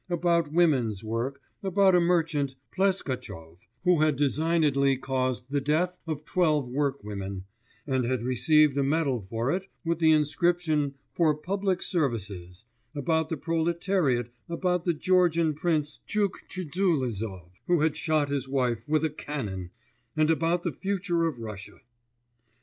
about women's work, about a merchant, Pleskatchov, who had designedly caused the death of twelve work women, and had received a medal for it with the inscription 'for public services'; about the proletariat, about the Georgian Prince Tchuktcheulidzov, who had shot his wife with a cannon, and about the future of Russia.